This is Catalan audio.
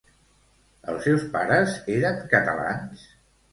Els seus pares eren catalans?